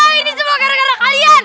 wah ini semua gara gara kalian